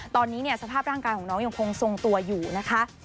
ตอนนี้สภาพร่างกายของน้องยังคงทรงตัวอยู่นะคะ